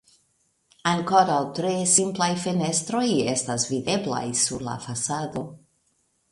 Ankoraŭ tre simplaj fenestroj estas videblaj sur la fasado.